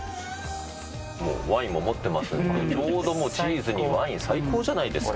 ワインも持ってますんで、ちょうどチーズにワイン、最高じゃないですか。